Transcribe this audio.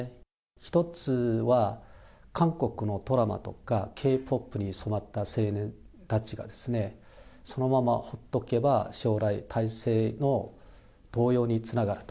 １つは韓国のドラマとかＫ−ＰＯＰに染まった青年たちがですね、そのまま放っておけば将来、体制の動揺につながると。